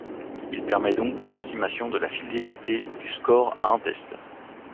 Il permet donc l’estimation de la fidélité du score à un test.